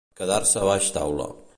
Quedar-se baix taula.